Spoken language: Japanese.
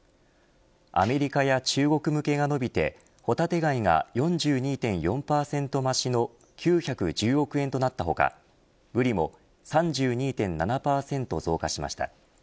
アメリカや中国向けが伸びてホタテガイが４２．４％増しの９１０億円となった他ぶりも３２．７％増加しました。